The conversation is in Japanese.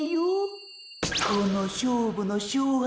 この勝負の勝敗